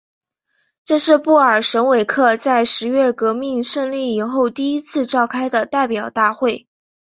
这是布尔什维克在十月革命胜利以后第一次召开的代表大会。